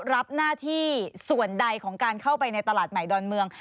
รับหน้าที่ส่วนใดของการเข้าไปในตลาดใหม่ดอนเมือง